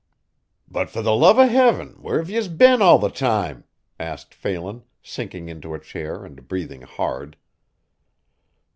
"But fer the love o' heaven where have yez been all the time?" asked Phelan, sinking into a chair and breathing hard.